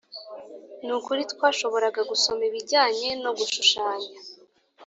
nukuri, twashoboraga gusoma ibijyanye no gushushanya,